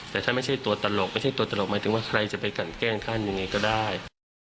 แต่ถ้าไม่ใช่ตัวตลกไม่ใช่ตัวตลกหมายถึงว่าใครจะไปกันแกล้งท่านยังไงก็ได้